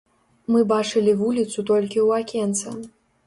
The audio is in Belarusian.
Мы бачылі вуліцу толькі ў акенца.